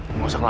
tidak usah lama